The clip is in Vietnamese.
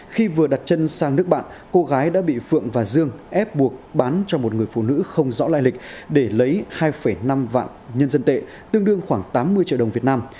khi vừa đặt chân sang nước bạn cô gái đã bị phượng và dương ép buộc bán cho một người phụ nữ không rõ lai lịch để lấy hai năm vạn nhân dân tệ tương đương khoảng tám mươi triệu đồng việt nam